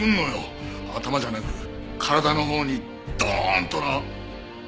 頭じゃなく体のほうにドーンとな。